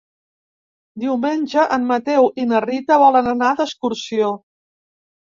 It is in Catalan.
Diumenge en Mateu i na Rita volen anar d'excursió.